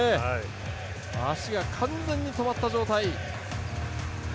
足が完全に止まった状態。